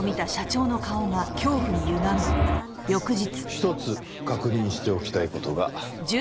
ひとつ確認しておきたい事が。